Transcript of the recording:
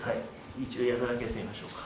一度やるだけやってみましょうか。